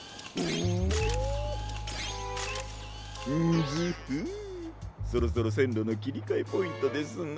ンヅフッそろそろせんろのきりかえポイントですな。